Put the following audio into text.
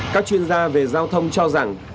các chuyên gia về giao thông cho rằng